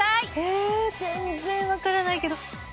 えー全然わからないけど。